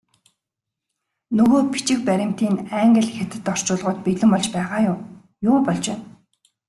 Нөгөө бичиг баримтын англи, хятад орчуулгууд бэлэн болж байгаа юу, юу болж байна?